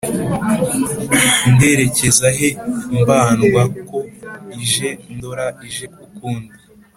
nderekeza he mbandwa ko ije ndora ije ukundi